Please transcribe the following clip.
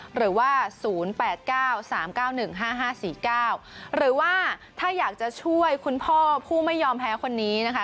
หรือว่า๐๘๙๓๙๑๕๕๔๙หรือว่าถ้าอยากจะช่วยคุณพ่อผู้ไม่ยอมแพ้คนนี้นะคะ